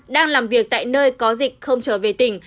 đang làm việc tại nơi có dịch không trở về tỉnh